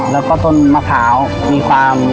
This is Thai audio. แล้วก็ต้นมะขาวมีความ